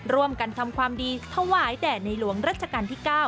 ร่วมกันทำความดีถวายแด่ในหลวงรัชกาลที่๙